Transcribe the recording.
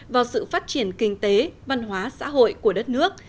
vào sự phát triển kinh tế văn hóa xã hội của đất nước